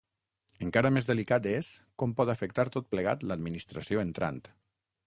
Encara més delicat és com pot afectar tot plegat l’administració entrant.